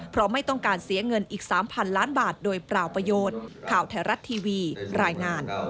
เพราะไม่ต้องการเสียเงินอีก๓๐๐๐ล้านบาทโดยเปล่าประโยชน์